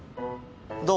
どう？